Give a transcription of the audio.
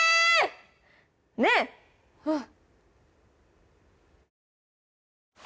ねえっうん